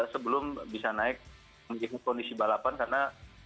sebelum bisa naik melihat kondisi balapan karena